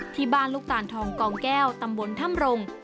ที่บ้านลูกตานทองกองแก้วตำบลถ้ำรง